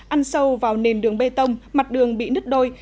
ăn sâu vào nền đường bê tông mặt đường bị nứt đôi